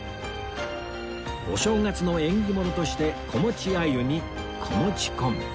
お正月の縁起物として子持ちアユに子持ち昆布